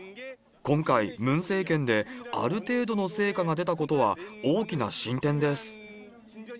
今回、ムン政権である程度の成果が出たことは大きな進展です。